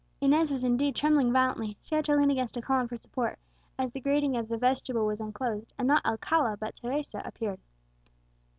Inez was indeed trembling violently; she had to lean against a column for support, as the grating of the vestibule was unclosed, and not Alcala but Teresa appeared.